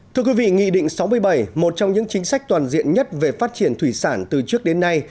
thưa quý vị nghị định sáu mươi bảy một trong những chính sách toàn diện nhất về phát triển thủy sản từ trước đến nay